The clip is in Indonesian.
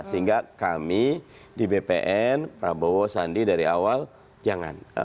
sehingga kami di bpn prabowo sandi dari awal jangan